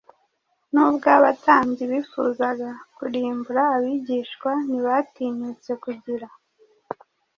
Nubwo abatambyi bifuzaga kurimbura abigishwa ntibatinyutse kugira